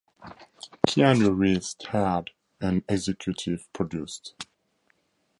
Keanu Reeves starred and executive produced.